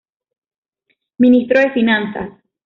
Ministro de Finanzas.